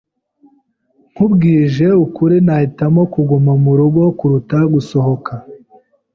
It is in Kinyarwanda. Nkubwije ukuri, nahitamo kuguma murugo kuruta gusohoka.